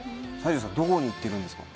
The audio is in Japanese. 西條さんどこに行ってるんですか？